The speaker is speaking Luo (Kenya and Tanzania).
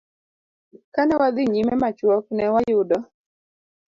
Ka ne wadhi nyime machuok, ne wayudo